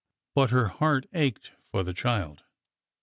But her heart ached for the child.